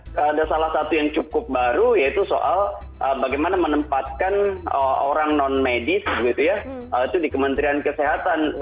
ada salah satu yang cukup baru yaitu soal bagaimana menempatkan orang non medis gitu ya itu di kementerian kesehatan